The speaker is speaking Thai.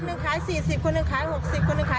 คนนึงขาย๔๐คนนึงขาย๖๐คนนึงขาย๒๐